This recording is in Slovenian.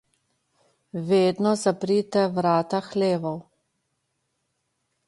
Vedno zaprite vrata hlevov.